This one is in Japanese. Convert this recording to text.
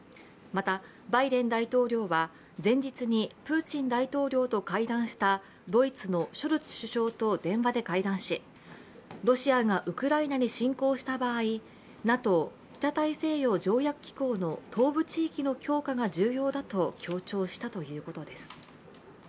また、バイデン大統領は前日にプーチン大統領と会談したドイツのショルツ首相と電話で会談し、ロシアがウクライナに侵攻した場合、ＮＡＴＯ＝北大西洋条約機構の東部地域の強化が重要だと強調したということです。